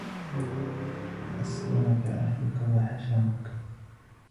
وَأَسْلَمَك أَهْلُك وَحَشَمُك